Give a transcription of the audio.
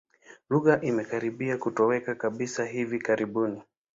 Lugha imekaribia kutoweka kabisa hivi karibuni.